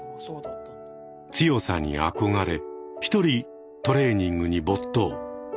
強さに憧れ一人トレーニングに没頭。